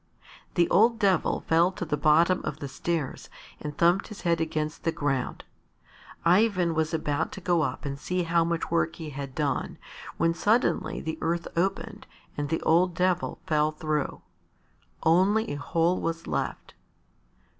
The old Devil fell to the bottom of the stairs and thumped his head against the ground. Ivan was about to go up and see how much work he had done, when suddenly the earth opened and the old Devil fell through. Only a hole was left.